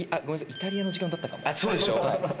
イタリアの時間だったかも。